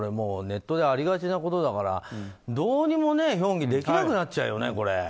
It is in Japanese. ネットでありがちなことだからどうにもね、ヒョンギできなくなっちゃうよね、これ。